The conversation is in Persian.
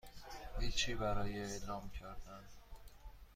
هیچی برای اعلام کردن